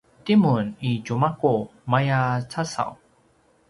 timun i tjumaqu maya casaw